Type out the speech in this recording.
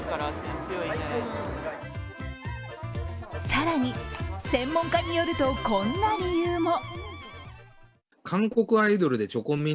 更に専門家によるとこんな理由も。